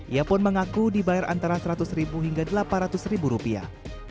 ia pun mengaku dibayar antara seratus ribu hingga delapan ratus ribu rupiah